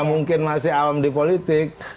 mungkin masih awam di politik